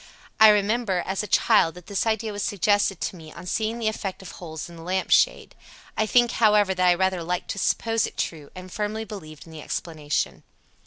"I remember, as a child, that this idea was suggested to me on seeing the effect of holes in the lamp shade. I think, however, that I rather liked to suppose it true and firmly believed in the explanation."